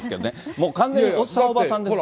もう完全におっさん、おばさんですよね。